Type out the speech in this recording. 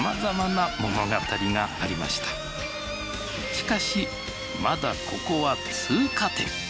しかしまだここは通過点。